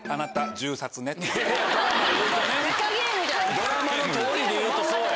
ドラマの通りで言うとそうや。